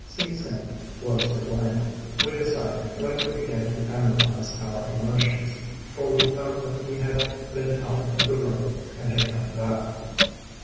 See Sim was to blame, we de cided when we began to analyze our emotions, for we found that he had been out of the room and had come back.